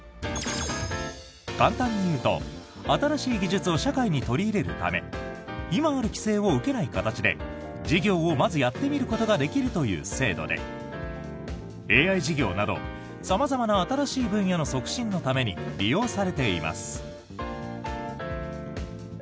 簡単に言うと、新しい技術を社会に取り入れるため今ある規制を受けない形で事業をまずやってみることができるという制度でＡＩ事業など様々な新しい分野の促進のために利用されています。